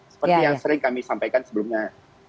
seperti yang sering kami sampaikan sebelumnya